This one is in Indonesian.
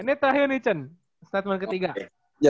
ini terakhir nih chan statement ketiga